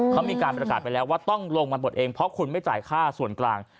เขามีการประกาศไปแล้วว่าต้องลงมาปลดเองเพราะคุณไม่จ่ายค่าส่วนกลาง